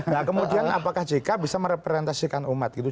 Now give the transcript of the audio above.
nah kemudian apakah jk bisa merepresentasikan umat gitu